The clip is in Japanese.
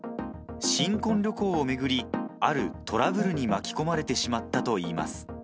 新婚旅行を巡り、あるトラブルに巻き込まれてしまったといいます。